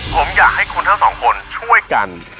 ผมอยากให้คุณทั้งสองคนช่วยกัน